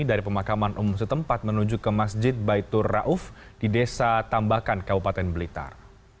dari pemakaman umum setempat menuju ke masjid baitur rauf di desa tambahkan kabupaten blitar